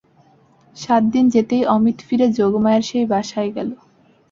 সাত দিন যেতেই অমিত ফিরে যোগমায়ার সেই বাসায় গেল।